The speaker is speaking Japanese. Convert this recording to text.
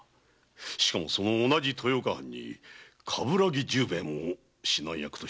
しかもその同じ豊岡藩に鏑木十兵衛も指南役として仕えておりました。